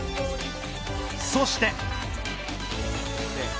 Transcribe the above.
そして。